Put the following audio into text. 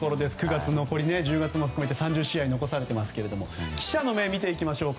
９月残り、１０月も含めて３０試合残されていますが記者の目を見ていきましょう。